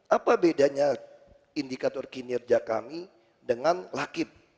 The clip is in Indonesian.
apa bedanya indikator kinerja kami dengan lakib